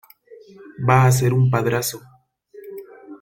va a ser un padrazo .